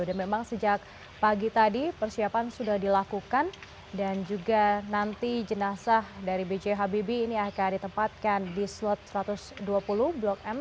dan memang sejak pagi tadi persiapan sudah dilakukan dan juga nanti jenazah dari bghbb ini akan ditempatkan di slot satu ratus dua puluh blok m